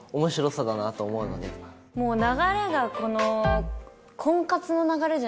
もう流れがこの。